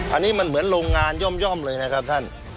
อันนี้มันเหมือนโรงงานย่อมเลยนะครับท่าน